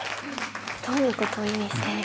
どんなことを意味している？